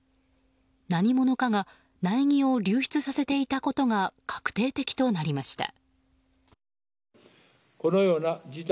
何者かが苗木を流出させていたことが確定的となりました。